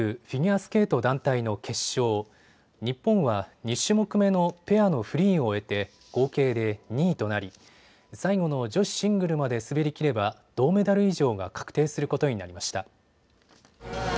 フィギュアスケート団体の決勝、日本は２種目目のペアのフリーを終えて合計で２位となり最後の女子シングルまで滑りきれば銅メダル以上が確定することになりました。